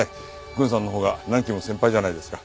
郡さんのほうが何期も先輩じゃないですか。